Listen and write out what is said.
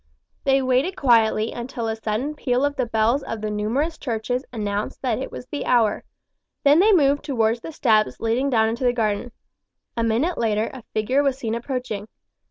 They waited quietly until a sudden peal of the bells of the numerous churches announced that it was the hour. Then they moved towards the steps leading down into the garden. A minute later a figure was seen approaching.